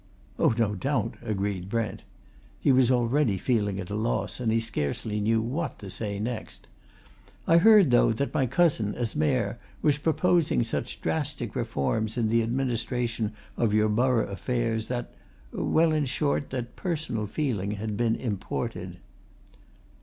"Oh, no doubt!" agreed Brent. He was already feeling at a loss, and he scarcely knew what to say next. "I heard, though, that my cousin, as Mayor, was proposing such drastic reforms in the administration of your borough affairs, that well, in short, that personal feeling had been imported."